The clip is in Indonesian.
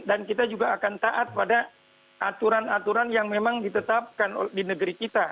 dan kita juga akan taat pada aturan aturan yang memang ditetapkan di negeri kita